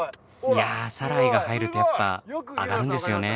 いやあ『サライ』が入るとやっぱ上がるんですよね。